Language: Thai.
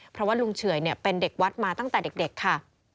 เพราะว่าลุงเฉื่อยเป็นเด็กวัดมาตั้งแต่เด็กค่ะ